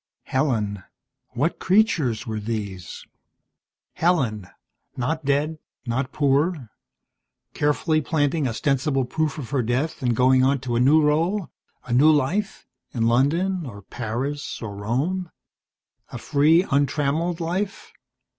Helen what creatures were these? Helen not dead, not poor, carefully planting ostensible proof of her death and going on to a new role, a new life, in London or Paris or Rome. A free, untrammelled life.